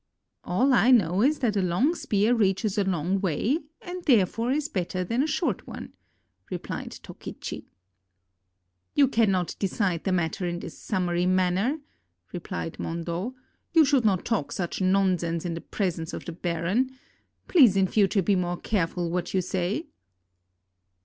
"All I know is that a long spear reaches a long way, and therefore is better than a short one," replied Tokichi. "You cannot decide the matter in this summary manner," replied Mondo. "You should not talk such nonsense in the presence of the baron. Please in future be more careful what you say."